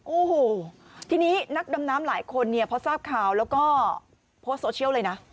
โอ้โหทีนี้นักดำน้ำหลายคนเนี่ยพอทราบข่าวแล้วก็โพสต์โซเชียลเลยนะ